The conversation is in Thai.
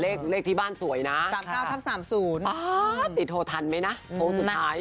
แต่เลขที่บ้านสวยนะสามเก้าทับสามศูนย์ติดโทรทันไหมนะโทรสุดท้าย